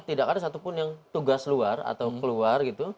tidak ada satupun yang tugas keluar